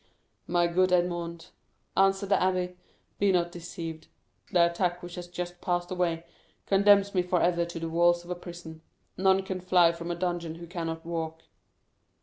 "My good Edmond," answered the abbé, "be not deceived. The attack which has just passed away, condemns me forever to the walls of a prison. None can fly from a dungeon who cannot walk."